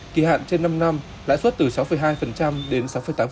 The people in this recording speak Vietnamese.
kỳ hạn trên năm năm lãi suất từ sáu hai đến sáu tám